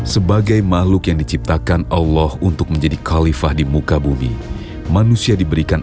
sebagai makhluk yang diciptakan allah untuk menjadi khalifah di muka bumi manusia diberikan